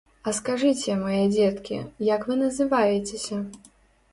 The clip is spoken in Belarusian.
А скажыце, мае дзеткі, як вы называецеся?